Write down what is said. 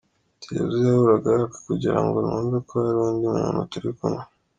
Televiziyo yahoraga yaka kugira ngo numve ko hari undi muntu turi kumwe.